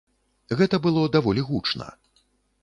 Гэта было даволі гучна.